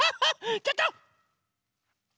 ちょっと！